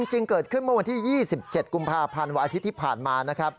จริงเกิดขึ้นเมื่อวันที่๒๗กุมภาพันธ์วันอาทิตย์ที่ผ่านมานะครับ